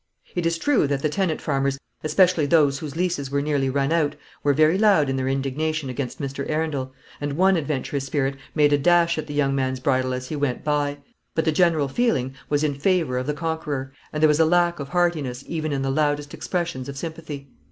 It is true that the tenant farmers, especially those whose leases were nearly run out, were very loud in their indignation against Mr. Arundel, and one adventurous spirit made a dash at the young man's bridle as he went by; but the general feeling was in favour of the conqueror, and there was a lack of heartiness even in the loudest expressions of sympathy.